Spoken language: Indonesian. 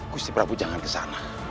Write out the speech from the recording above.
gusti prabu jangan ke sana